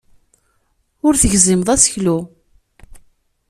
Ur tegzimeḍ aseklu.